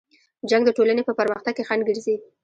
جنګ د ټولنې په پرمختګ کې خنډ ګرځي.